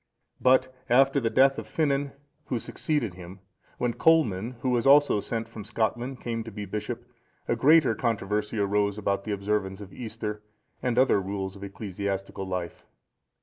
But after the death of Finan, who succeeded him, when Colman, who was also sent from Scotland,(459) came to be bishop, a greater controversy arose about the observance of Easter, and other rules of ecclesiastical life.